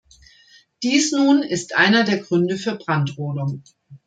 Dies nun ist einer der Gründe für Brandrodung.